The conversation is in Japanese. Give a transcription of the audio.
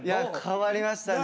変わりましたね。